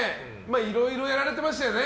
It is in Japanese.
いろいろやられてましたよね。